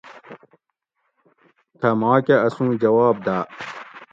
تھہ ماکہ اسوں جواب داۤ